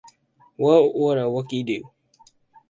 What Would A Wookie Do?